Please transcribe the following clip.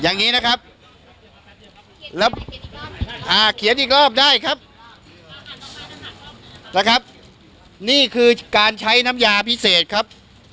นี่คือการใช้น้ำยาพิเศษครับ